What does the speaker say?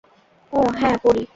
ওহ, হ্যাঁ পড়ি।